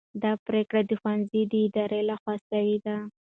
دا پرېکړه د ښوونځي د ادارې لخوا سوې ده.